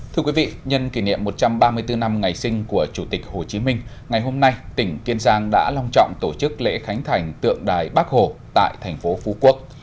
thưa quý vị nhân kỷ niệm một trăm ba mươi bốn năm ngày sinh của chủ tịch hồ chí minh ngày hôm nay tỉnh kiên giang đã long trọng tổ chức lễ khánh thành tượng đài bắc hồ tại thành phố phú quốc